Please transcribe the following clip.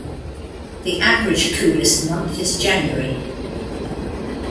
The average coolest month is January.